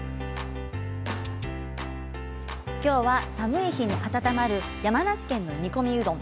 きょうは寒い日に温まる山梨県の煮込みうどん。